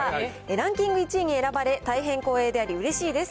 ランキング１位に選ばれ、大変光栄であり、うれしいです。